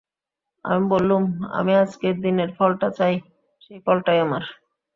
আমি বললুম, আমি আজকের দিনের ফলটা চাই, সেই ফলটাই আমার।